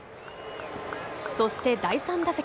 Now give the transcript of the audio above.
そして、第３打席。